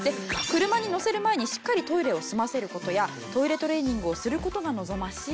車に乗せる前にしっかりトイレを済ませる事やトイレトレーニングをする事が望ましいと。